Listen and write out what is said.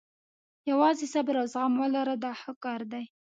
یوازې صبر او زغم ولره دا ښه کار دی.